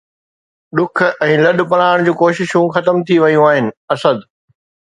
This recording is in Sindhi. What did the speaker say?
ڏک ۽ لڏپلاڻ جون ڪوششون ختم ٿي ويون آهن، اسد